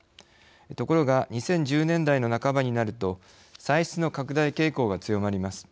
ところが２０１０年代の半ばになると歳出の拡大傾向が強まります。